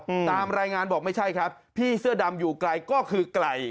อืมตามรายงานบอกไม่ใช่ครับพี่เสื้อดำอยู่ไกลก็คือไกล